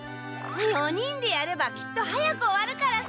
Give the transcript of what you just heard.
４人でやればきっと早く終わるからさ。